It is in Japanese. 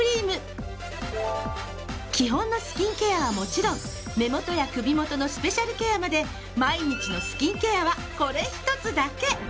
基本のスキンケアはもちろん目元や首元のスペシャルケアまで毎日のスキンケアは。